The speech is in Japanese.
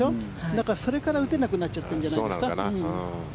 だからそれから打てなくなっちゃったんじゃないですか。